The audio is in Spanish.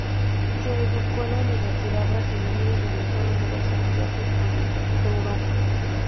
Se educó en la Universidad de Basilea y realizó numerosos viajes por Europa.